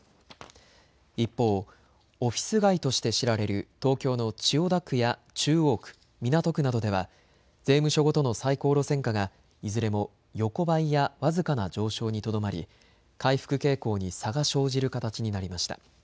一方、オフィス街として知られる東京の千代田区や中央区、港区などでは税務署ごとの最高路線価がいずれも横ばいや僅かな上昇にとどまり回復傾向に差が生じる形になりました。